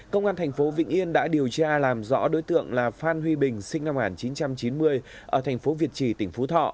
công an thành phố vĩnh yên đã điều tra làm rõ đối tượng là phan huy bình sinh năm một nghìn chín trăm chín mươi ở thành phố việt trì tỉnh phú thọ